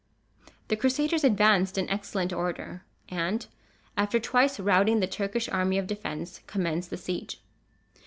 The Crusaders advanced in excellent order, and, after twice routing the Turkish army of defence, commenced the siege.